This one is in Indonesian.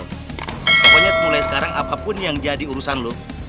pokoknya mulai sekarang apapun yang jadi urusan lo